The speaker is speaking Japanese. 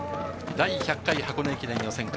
第１００回箱根駅伝予選会。